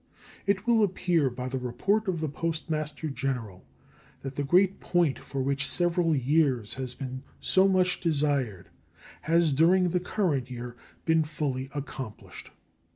It will appear by the report of the Postmaster General that the great point which for several years has been so much desired has during the current year been fully accomplished.